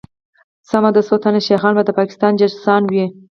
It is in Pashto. سمه ده څوتنه شيخان به دپاکستان جاسوسان وي